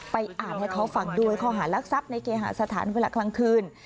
อ่านให้เขาฟังด้วยข้อหารักทรัพย์ในเกหาสถานเวลากลางคืน